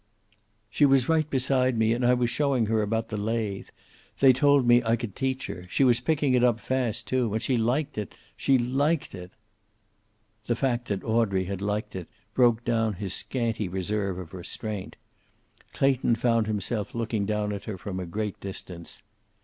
"She was right beside me, and I was showing her about the lathe. They'd told me I could teach her. She was picking it up fast, too. And she liked it. She liked it " The fact that Audrey had liked it broke down his scanty reserve of restraint. Clayton found himself looking down at her from a great distance.